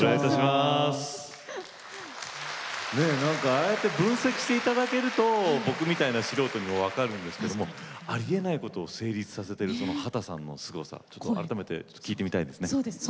ああやって分析していただけると僕みたいな素人にも分かるんですけどもありえないことを成立させてる秦さんのすごさ改めて聞いてみたいですね。